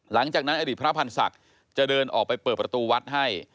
หลังจากนั้นอดีตพระพันธ์ศักดิ์จะเดินออกไปเปิดประตูวัดให้